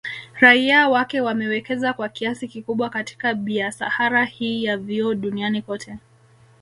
Raia wake wamewekeza kwa kiasi kikubwa katika Biasahara hii ya vioo Dunniani kote